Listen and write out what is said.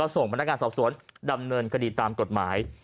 ส่วนดำเนินคดีตามกฎหมาย